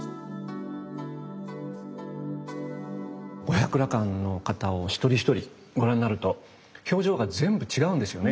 五百羅漢の方を一人一人ご覧になると表情が全部違うんですよね。